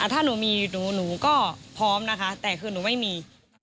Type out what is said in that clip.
ถ้าหนูมีหนูก็พร้อมนะคะแต่คือหนูไม่มี